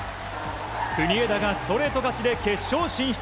国枝がストレート勝ちで決勝進出。